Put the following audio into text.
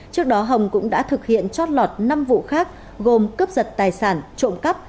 trước đó hồng cũng đã thực hiện chót lọt năm vụ khác gồm cướp giật tài sản trộm cắp